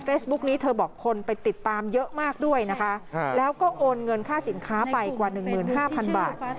นี้เธอบอกคนไปติดตามเยอะมากด้วยนะคะแล้วก็โอนเงินค่าสินค้าไปกว่าหนึ่งหมื่นห้าพันบาท